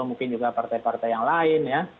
mungkin juga partai partai yang lain ya